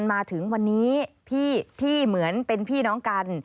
มาถึงวันนี้พี่ที่เหมือนเป็นพี่น้องกัน